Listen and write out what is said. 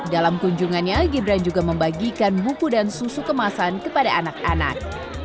dalam kunjungannya gibran juga membagikan buku dan susu kemasan kepada anak anak